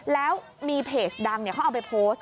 แล้วมีเพจดังเขาเอาไปโพสต์